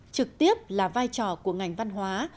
trực tiếp là vai trò của ngành văn hóa